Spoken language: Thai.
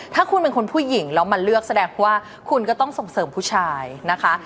ถ้าคุณเป็นคนผู้หญิงแล้วมาเลือกแสดงว่าคุณก็ต้องส่งเสริมผู้ชายนะคะ